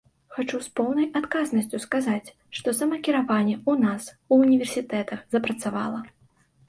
Хачу з поўнай адказнасцю сказаць, што самакіраванне ў нас у універсітэтах запрацавала.